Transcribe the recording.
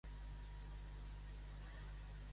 El genus pot incloure algunes espècies relacionades.